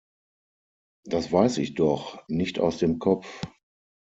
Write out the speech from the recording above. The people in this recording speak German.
Das weiß ich doch nicht aus dem Kopf!